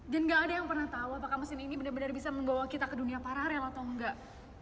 dan gak ada yang pernah tahu apakah mesin ini benar benar bisa membawa kita ke dunia pararel atau enggak